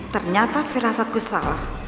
ternyata firasatku salah